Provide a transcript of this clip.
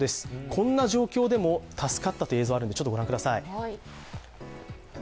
こんな状況でも助かったという映像がありますので御覧ください。